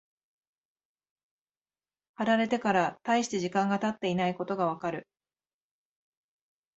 貼られてから大して時間が経っていないことがわかる。